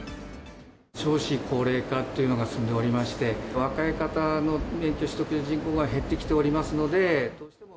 少子高齢化っていうのが進んでおりまして、若い方の免許取得の人口が減ってきておりますので。